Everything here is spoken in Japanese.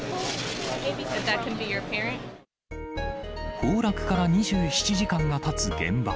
崩落から２７時間がたつ現場。